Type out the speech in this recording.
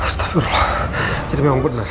astagfirullah jadi memang benar